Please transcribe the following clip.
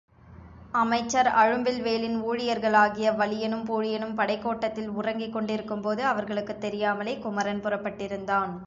அமைச்சர் அழும்பில்வேளின் ஊழியர்களாகிய வலியனும் பூழியனும் படைக்கோட்டத்தில் உறங்கிக் கொண்டிருந்தபோது அவர்களுக்குத் தெரியாமலே குமரன் புறப்பட்டிருந்தான்.